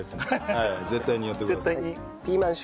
絶対にやってください。